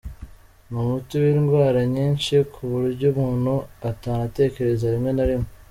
Ni umuti w’indwara nyinshi ku buryo muntu atanatekereza rimwe na rimwe.